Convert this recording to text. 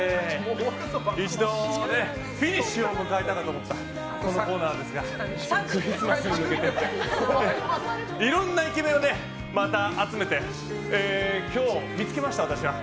一度、フィニッシュを迎えたかと思ったこのコーナーですがクリスマスに向けていろんなイケメンをまた集めて今日、見つけました私は。